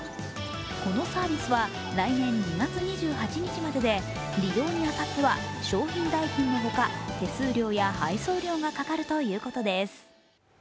このサービスは来年２月２８日までで利用に当たっては商品代金のほか手数料や配送料がかかるということです。